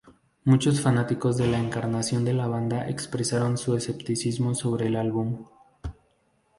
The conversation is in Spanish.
Muchos fanáticos de la encarnación de la banda expresaron su escepticismo sobre el álbum.